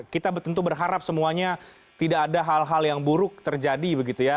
kita tentu berharap semuanya tidak ada hal hal yang buruk terjadi begitu ya